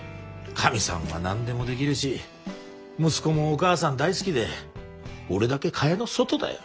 かみさんは何でもできるし息子もお母さん大好きで俺だけ蚊帳の外だよ。